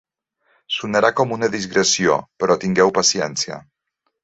Sonarà com una digressió, però tingueu paciència.